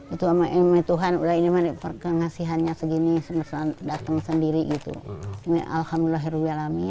itu eme tuhan udah ini menikmati pengasihannya segini semesan datang sendiri itu alhamdulillah